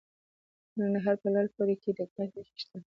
د ننګرهار په لعل پورې کې د ګچ نښې شته.